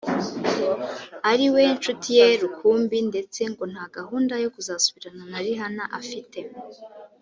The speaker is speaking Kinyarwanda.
ari we nshuti ye rukumbi ndetse ngo nta gahunda yo kuzasubirana na Rihanna afite